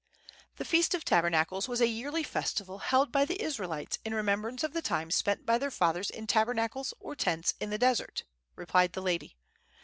"The Feast of Tabernacles was a yearly festival held by the Israelites in remembrance of the time spent by their fathers in tabernacles or tents in the desert," replied the lady.